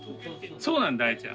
そうなんだよアイちゃん。